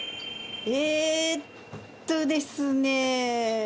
えーっとですね。